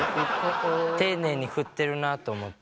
丁寧に振ってるなと思って。